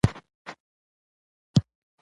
، ښکلې، شنه او آباده سیمه ده.